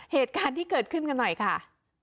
เหตุการณ์ที่เกิดขึ้นกันหน่อยค่ะ